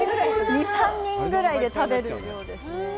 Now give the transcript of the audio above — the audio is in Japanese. ２、３人ぐらいで食べる量ですね。